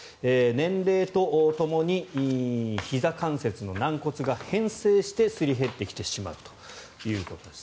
年齢とともにひざ関節の軟骨が変性して、すり減ってきてしまうということです。